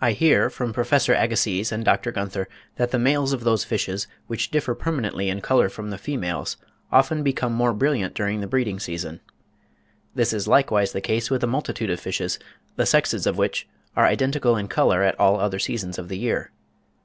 I hear from Professor Agassiz and Dr. Gunther, that the males of those fishes, which differ permanently in colour from the females, often become more brilliant during the breeding season. This is likewise the case with a multitude of fishes, the sexes of which are identical in colour at all other seasons of the year.